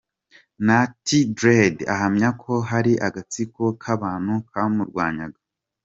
Nati Diredi ahamya ko hari agatsiko k’abantu kamurwanyaga .